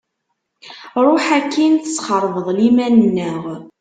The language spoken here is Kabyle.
Ruḥ akin tesxerbeḍ liman-nneɣ.